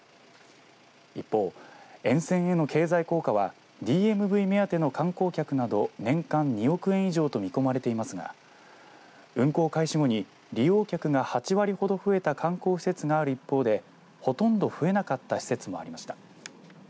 一方、沿線への経済効果はＤＭＶ目当ての観光客など年間２億円以上と見込まれていますが運行開始後に利用客が８割ほど増えた観光施設がある一方でほとんど増えなかった施設もありました。